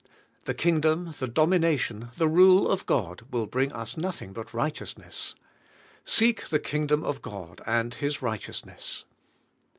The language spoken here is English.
'' The Kingdom, the domination, the rule of God will bring us nothing but righteousness. "Seek the Kingdom of God and His righteousness."